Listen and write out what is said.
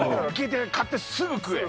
買ってすぐ食え。